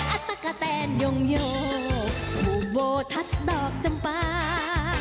ัตตะกะแตนยงโยผู้โบทัศนดอกจำปา